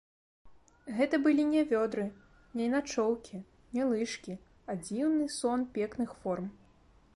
Гэта былі не вёдры, не начоўкі, не лыжкі, а дзіўны сон пекных форм.